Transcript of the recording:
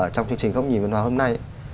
trong chương trình góc nhìn văn hóa hôm nay